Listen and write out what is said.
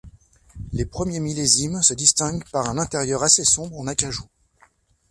Les premiers millésimes se distinguent par un intérieur assez sombre en acajou.